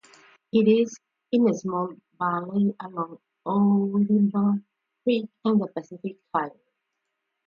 It is in a small valley along Ourimbah Creek and the Pacific Highway.